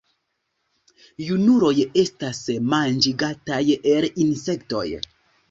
Junuloj estas manĝigataj el insektoj.